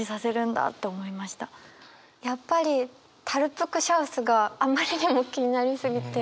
やっぱり「タルップ・ク・シャウス」があまりにも気になりすぎて。